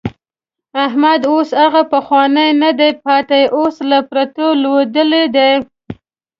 احمد اوس هغه پخوانی نه دی پاتې، اوس له پرتو لوېدلی دی.